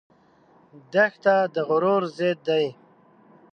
دښته د غرور ضد ده.